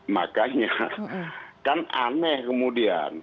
makanya kan aneh kemudian